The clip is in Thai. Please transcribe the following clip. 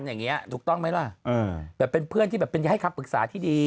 อย่างนี้ถูกต้องไหมล่ะแบบเป็นเพื่อนที่แบบเป็นให้คำปรึกษาที่ดี